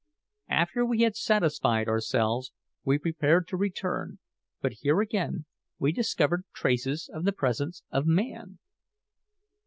After we had satisfied ourselves we prepared to return; but here, again, we discovered traces of the presence of man.